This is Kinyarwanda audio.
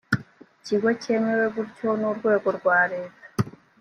ikigo cyemewe gutyo n urwego rwa leta